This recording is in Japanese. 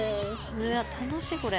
うわっ楽しいこれ。